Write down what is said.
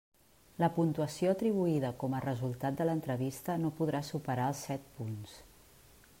La puntuació atribuïda com a resultat de l'entrevista no podrà superar els set punts.